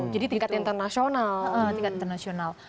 jadi tingkat internasional